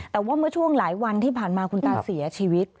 แต่ว่าเมื่อช่วงหลายวันที่ผ่านมาคุณตาเสียชีวิต